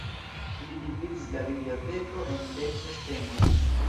Li dividis la "Biblioteko" en dekses temojn.